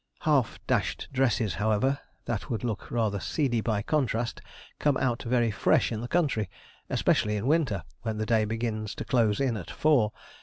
Half dashed dresses, however, that would look rather seedy by contrast, come out very fresh in the country, especially in winter, when day begins to close in at four.